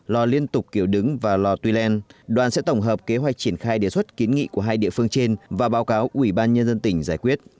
lò liên tục kiểu đứng và lò tuy lên đoàn sẽ tổng hợp kế hoạch triển khai đề xuất kiến nghị của hai địa phương trên và báo cáo ủy ban nhân dân tỉnh giải quyết